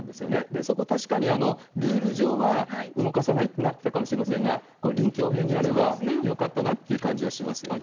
そこ、確かにルール上は動かさないってなってたかもしれませんが、臨機応変にやればよかったなって感じはしますよね。